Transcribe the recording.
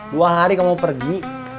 dua hari kamu pergi